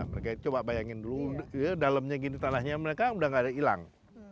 mereka coba bayangin dulu dalamnya gini tanahnya mereka udah gak ada hilang